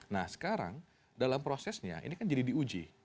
nah sekarang dalam prosesnya ini kan jadi diuji